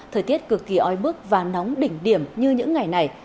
thời tiết cực kỳ oi bức và nóng đỉnh điểm như những ngày này